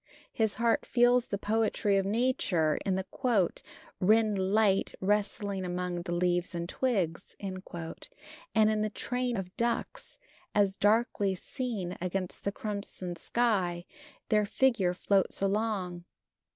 His heart feels the poetry of nature in the "wren light rustling among the leaves and twigs," and in the train of ducks as, Darkly seen against the crimson sky, Their figure floats along.